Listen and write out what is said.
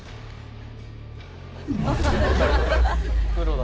プロだ。